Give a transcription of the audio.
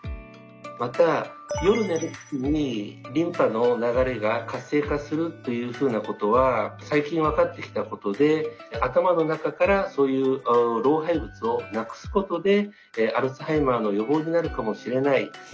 また夜寝る時にリンパの流れが活性化するというふうなことは最近分かってきたことで頭の中からそういう老廃物をなくすことでアルツハイマーの予防になるかもしれないという報告が出始めています。